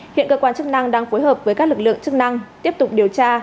hiện cơ quan chức năng đang phối hợp với các lực lượng chức năng tiếp tục điều tra